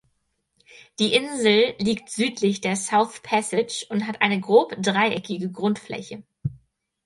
Die Insel liegt südlich der "South Passage" und hat eine grob dreieckige Grundfläche.